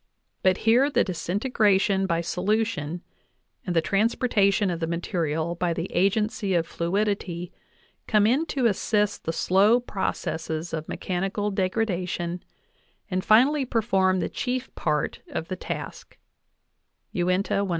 but here the disintegration by solution and the transportation of the material by the agency of fluidity come in to assist the slow processes of me chanical degradation, and finally perform the chief part of the task"_J\Uinta, 196).